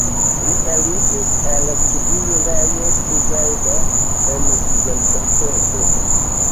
Li aliĝis al studio Lajos Vajda en Szentendre.